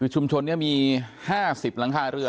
ชุมชนมี๕๐หลังค่าเรือน